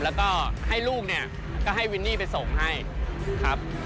แล้วก็ให้ลูกเนี่ยก็ให้วินนี่ไปส่งให้ครับ